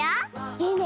いいね。